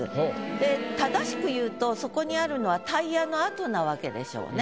で正しく言うとそこにあるのはタイヤの跡なわけでしょうね。